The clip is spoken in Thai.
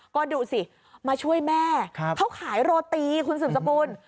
ก็ดูสิมาช่วยแม่เขาขายโรตีคุณสืบสกุล